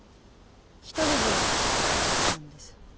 一人でしたかったんです。